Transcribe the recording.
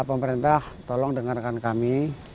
pemerintah tolong dengarkan kami